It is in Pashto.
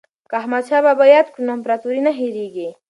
که احمد شاه بابا یاد کړو نو امپراتوري نه هیریږي.